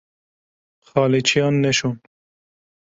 Xalîçeyan neşon.